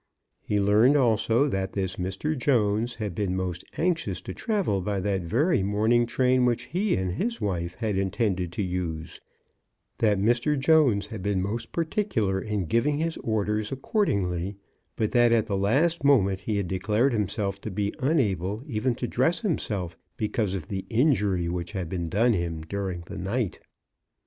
He learned also that this Mr. Jones had been most anxious to travel by that very morning train which he and his wife had intended to use ; that Mr. Jones had been most particular in giving his orders accordingly; but that at the last moment he had declared himself to be unable even to dress himself, because of the injury which had been done him during the night.